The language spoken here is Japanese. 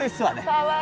かわいい！